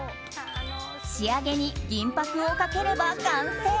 仕上げに銀箔をかければ完成。